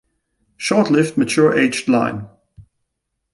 Short-lived mature-aged line.